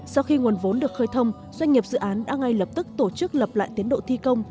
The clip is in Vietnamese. sau khi nguồn vốn được khơi thông doanh nghiệp dự án đã ngay lập tức tổ chức lập lại tiến độ thi công